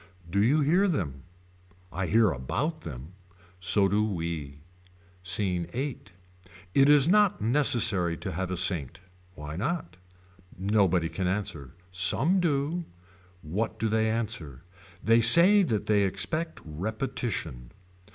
Do you hear them. I hear about them. So do we. SCENE VIII. It is not necessary to have a saint. Why not. Nobody can answer. Some do. What do they answer. They say that they expect repetition.